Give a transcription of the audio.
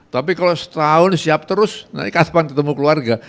tapi kalau setahun siap terus nanti kapan ketemu keluarga